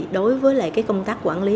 đối với công tác quản lý